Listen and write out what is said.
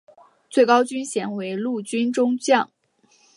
最高军衔为陆军中将。